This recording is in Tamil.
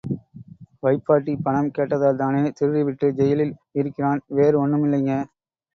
வைப்பாட்டி பணம் கேட்டதால்தானே திருடிவிட்டு ஜெயிலில் இருக்கிறான் வேறு ஒண்னுமில்லிங்க.